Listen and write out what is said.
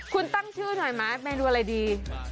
คุณตั้งชื่อหน่อยไหมเมนูอะไรดี